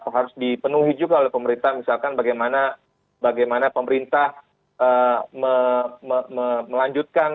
harus dipenuhi juga oleh pemerintah misalkan bagaimana pemerintah melanjutkan